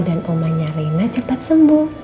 dan omanya reina cepat sembuh